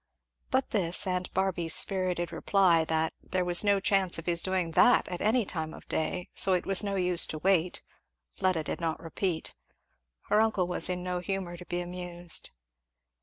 But this, and Barby's spirited reply, that "there was no chance of his doing that at any time of day, so it was no use to wait," Fleda did not repeat. Her uncle was in no humour to be amused.